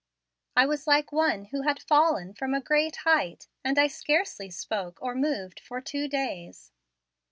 I was like one who had fallen from a great height, and I scarcely spoke or moved for two days.